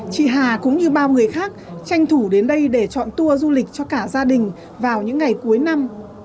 chị hà cũng như bao người khác tranh thủ đến đây để chọn tour du lịch cho cả gia đình vào những ngày cuối năm